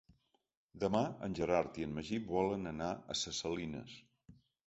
Demà en Gerard i en Magí volen anar a Ses Salines.